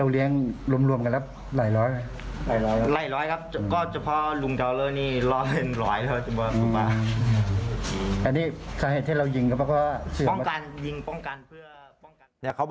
เนี่ยเขาบอกเขาไม่ได้มี